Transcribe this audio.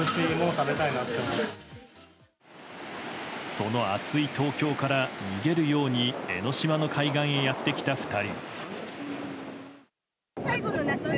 その暑い東京から逃げるように江の島の海岸へやってきた２人。